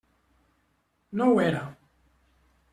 No ho era.